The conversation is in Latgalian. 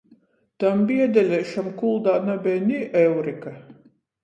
Tam biedeleišam kuldā nabeja ni eurika.